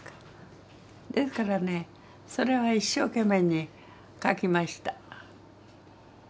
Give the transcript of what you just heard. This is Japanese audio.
ですからねそれは一生懸命に描きました。